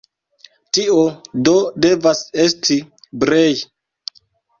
Tio do devas esti Brej.